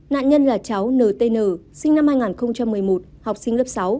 nạn nhân là cháu n t n sinh năm hai nghìn một mươi một học sinh lớp sáu